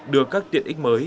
đưa các tiện ích mới